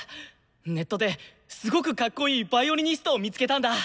ネットですごくかっこいいヴァイオリニストを見つけたんだ！